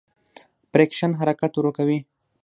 فریکشن حرکت ورو کوي.